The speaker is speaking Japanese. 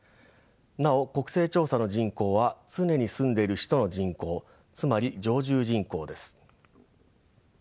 なお国勢調査の人口は常に住んでいる人の人口つまり常住人口です。